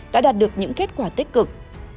đã đạt được những kết quả tích cực